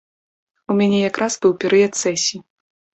У мяне якраз быў перыяд сесіі.